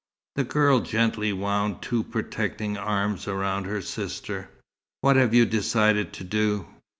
The girl gently wound two protecting arms round her sister. "What have you decided to do?"